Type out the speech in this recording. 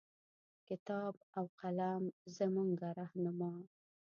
کتاب او قلم زمونږه رهنما